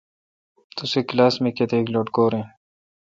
توسی کلاس مہ کتیک لٹکور این۔